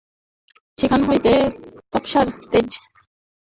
সেখান হইতে তপস্যার তেজ ষোড়শীকে আসিয়া স্পর্শ করিতেছে, এই এক আশ্চর্য কাণ্ড।